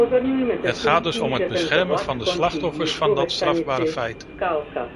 Het gaat dus om het beschermen van de slachtoffers van dat strafbare feit.